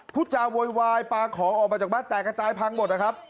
พูดจาโวยวายปลาของออกมาจากบ้านแตกกระจายพังหมดนะครับ